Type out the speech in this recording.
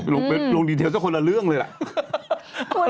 ลงดีเทลเจ้าคนละเรื่องเลย